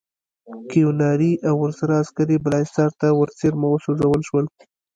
کیوناري او ورسره عسکر یې بالاحصار ته ورڅېرمه وسوځول شول.